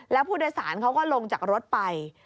แล้วผู้โดยสารเขาก็ลงจากรถไป